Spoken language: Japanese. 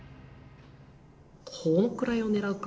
このくらいを狙うか。